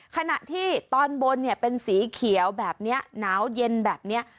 ขณะที่ตอนบนเนี่ยเป็นสีเขียวแบบนี้หนาวเย็นแบบนี้